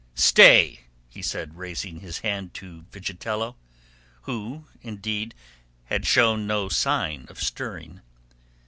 "Stay!" he said, raising his hand to Vigitello, who, indeed had shown no sign of stirring.